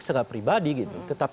secara pribadi gitu